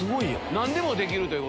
何でもできるという。